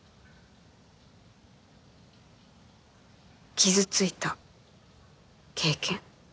傷ついた経験。